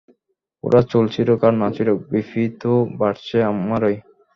ওরা চুল ছিড়ুক আর না ছিড়ুক, বিপি তো বাড়ছে আমারই।